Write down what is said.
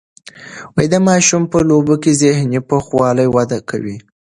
د ماشومانو په لوبو کې ذهني پوخوالی وده کوي.